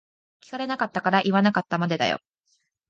聞かれなかったから言わなかったまでだよ。